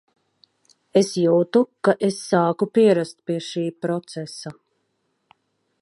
Es jūtu, ka es sāku pierast pie šī procesa.